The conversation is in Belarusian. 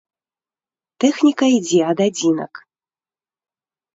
Тэхніка ідзе ад адзінак.